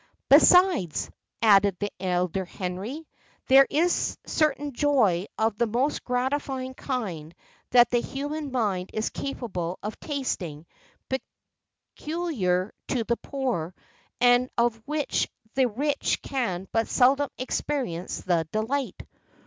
"Besides," added the elder Henry, "there is a certain joy of the most gratifying kind that the human mind is capable of tasting, peculiar to the poor, and of which the rich can but seldom experience the delight."